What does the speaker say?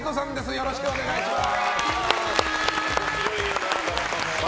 よろしくお願いします。